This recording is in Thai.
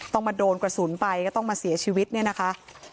มาโดนกระสุนไปก็ต้องมาเสียชีวิตเนี่ยนะคะ